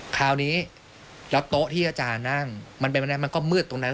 คราวนี้แล้วโต๊ะที่อาจารย์นั่งมันก็มืดตรงนั้น